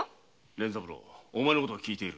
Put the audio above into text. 連三郎お前のことは聞いている。